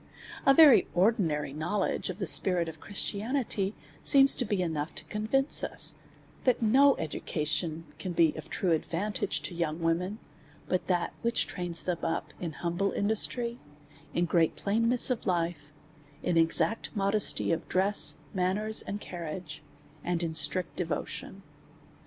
A very ordinary knowledge of the spirit of Christi anity, seems to be enough to convince us, that no edu cation can be of true advantage to young women, but that which trains them up in humble industry, in great plainness of life, in exact modesty of dress, manners, and carriage, and in strict devotion.